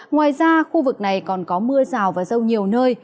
ngoài ra khu vực này còn có mưa rào và rông nhiều nơi